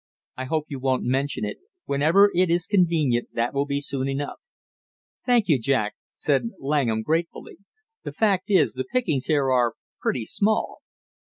"I hope you won't mention it! Whenever it is quite convenient, that will be soon enough." "Thank you, Jack!" said Langham gratefully. "The fact is the pickings here are pretty small."